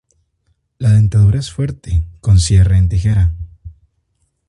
La dentadura es fuerte, con cierre en tijera.